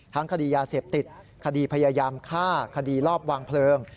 คดียาเสพติดคดีพยายามฆ่าคดีรอบวางเพลิง